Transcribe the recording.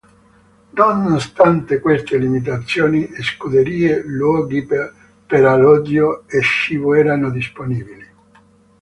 Nonostante queste limitazioni, scuderie, luoghi per alloggio e cibo erano disponibili.